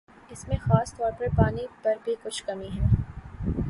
اس میں خاص طور پر پانی پر بھی کچھ کمی ہے